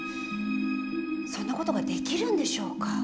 そんな事ができるんでしょうか？